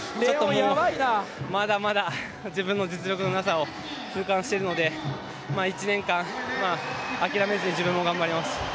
まだまだ自分の実力のなさを痛感しているので１年間、諦めずに自分も頑張ります。